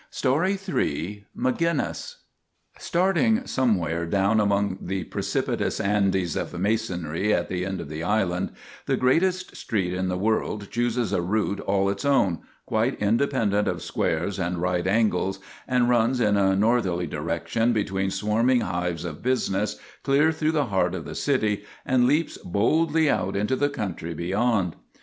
MAGINNIS MAGINNIS STARTING somewhere down among the precip itous Andes of masonry at the end of the island, the greatest street in the world chooses a route all its own, quite independent of squares and right angles, and runs in a northerly direction between swarming hives of business, clear through the heart of the city, and leaps boldly out into the country be yond.